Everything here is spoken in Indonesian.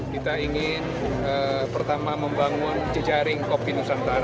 kita ingin pertama membangun jejaring kopi nusantara